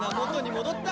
戻った！